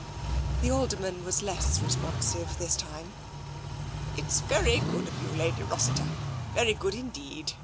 TENSION 231 The Alderman was less responsive this time. " It's very good of you, Lady Rossiter — very good indeed.